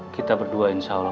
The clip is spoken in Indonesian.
kita berdua insya allah